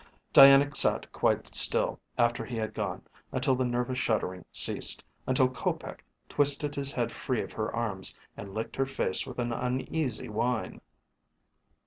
Diana sat quite still after he had gone until the nervous shuddering ceased, until Kopec twisted his head free of her arms and licked her face with an uneasy whine.